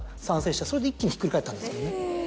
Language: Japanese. それで一気にひっくり返ったんですもんね。